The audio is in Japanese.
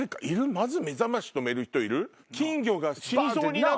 まず目覚まし止める人いる？